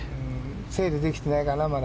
整理できてないかなまだ。